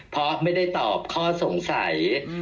เพราะไม่ได้ตอบข้อสงสัย